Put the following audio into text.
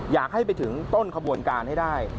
อยากให้ไปถึงต้นขบวนการให้ได้